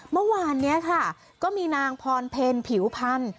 เมื่อวานนี้ค่ะก็มีนางพรเพลผิวพันธ